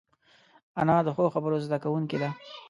انا د ښو خبرو زده کوونکې ده